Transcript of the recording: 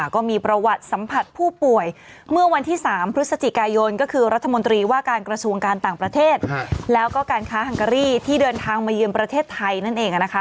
ก็มีประวัติสัมผัสผู้ป่วยเมื่อวันที่๓พฤศจิกายนก็คือรัฐมนตรีว่าการกระทรวงการต่างประเทศแล้วก็การค้าฮังการีที่เดินทางมาเยือนประเทศไทยนั่นเองนะคะ